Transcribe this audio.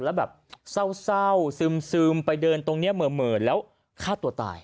แล้วแบบเศร้าซึมไปเดินตรงนี้เหม่อแล้วฆ่าตัวตาย